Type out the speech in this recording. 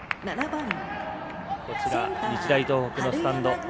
日大東北のスタンド。